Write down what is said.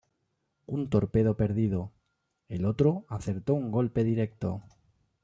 Un torpedo perdido; el otro acertó un golpe directo.